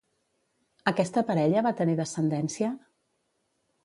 Aquesta parella va tenir descendència?